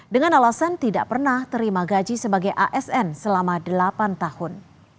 dengan alasan tidak pernah terima gaji sebagai asn selama delapan tahun